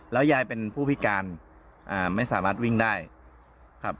ยายเป็นผู้พิการไม่สามารถวิ่งได้ครับ